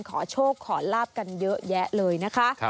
ขอโชคขอลาบกันเยอะแยะเลยนะคะ